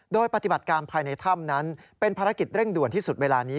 โดยปฏิบัติการภายในถ้ำนั้นเป็นภารกิจเร่งด่วนที่สุดเวลานี้